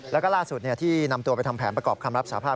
แล้วก็ล่าสุดที่นำตัวไปทำแผนประกอบคำรับสาภาพ